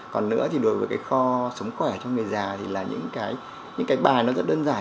còn nữa thì đối với cái kho sống khỏe cho người già thì là những cái bài nó rất đơn giản